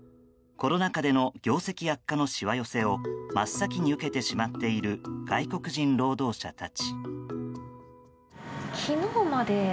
コロナ禍での業績悪化のしわ寄せを真っ先に受けてしまっている外国人労働者たち。